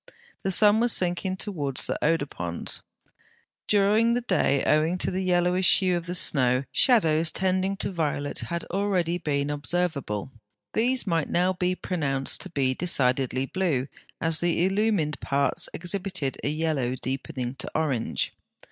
The sun was sinking towards the Oder ponds. During the day, owing to the yellowish hue of the snow, shadows tending to violet had already been observable; these might now be pronounced to be decidedly blue, as the illumined parts exhibited a yellow deepening to orange.